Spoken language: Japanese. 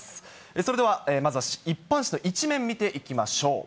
それではまずは一般紙の１面見ていきましょう。